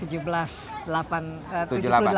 tujuh puluh delapan corak itu